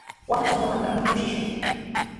Wakchakunata mikuchishun.